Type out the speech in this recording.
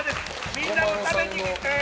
みんなも食べに来て！